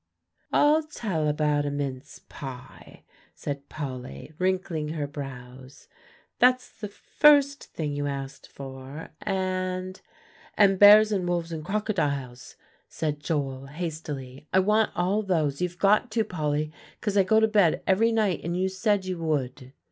"I'll tell about a mince pie," said Polly, wrinkling her brows; "that's the first thing you asked for; and" "And bears and wolves and crocodiles," said Joel hastily; "I want all those; you've got to, Polly, 'cause I go to bed every night, and you said you would."